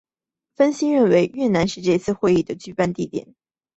分析认为越南是这次会谈的主办地点。